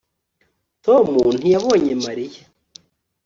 tom ntiyabonye mariya